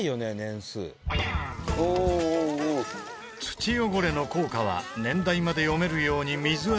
土汚れの硬貨は年代まで読めるように水洗いし。